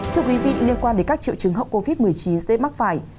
thưa quý vị liên quan đến các triệu chứng hậu covid một mươi chín dễ mắc phải